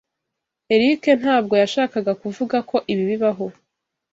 Eric ntabwo yashakaga kuvuga ko ibi bibaho.